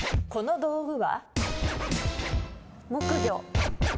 この道具は？